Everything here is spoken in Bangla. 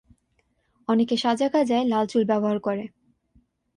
অনেকে সাজাকাজায় লাল চুল ব্যবহার করে।